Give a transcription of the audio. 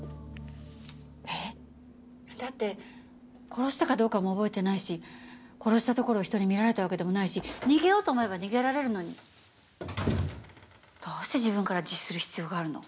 えっ？だって殺したかどうかも覚えてないし殺したところを人に見られたわけでもないし逃げようと思えば逃げられるのにどうして自分から自首する必要があるの？